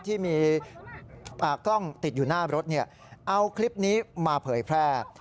ที่มีกล้องติดอยู่หน้ารถเอาคลิปนี้มาเผยแพร่